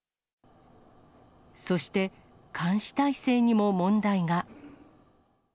そして、監視体制にも問題が。